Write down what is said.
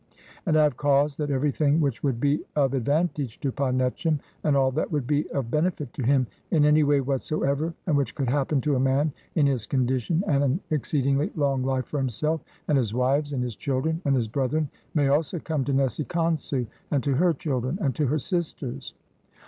And I "have caused that everything which would be of ad vantage to Pa netchera, and all that would be of "benefit to him in any way whatsoever and which "could happen to a man in his condition, and an ex ceedingly long life for himself, and his wives, and his "children, and his brethren, may also come to Nesi "Khonsu, and to her children, and to her sisters."